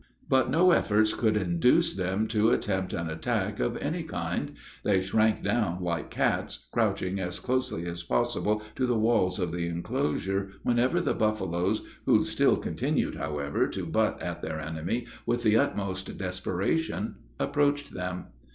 But no efforts could induce them to attempt an attack of any kind; they shrank down like cats, crouching as closely as possible to the walls of the inclosure, whenever the buffaloes, who still continued, however, to butt at their enemy with the utmost desperation, approached them.